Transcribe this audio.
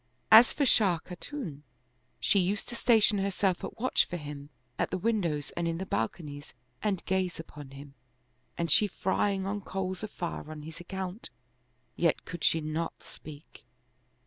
As for Shah Khatun, she used to station herself at watch for him at the windows and in the balconies 78 The Scar on the Throat and gaze upon him^ and she frying on coals of fire on his account; yet could she not speak.